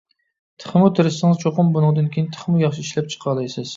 تېخىمۇ تىرىشسىڭىز چوقۇم بۇنىڭدىن كىيىن تېخىمۇ ياخشى ئىشلەپ چىقالايسىز.